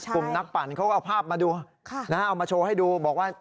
กลุ่มนักปั่นเขาก็เอาภาพมาดูเอามาโชว์ให้ดูบอกว่า